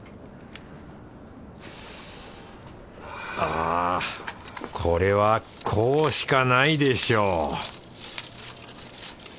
あこれはこうしかないでしょう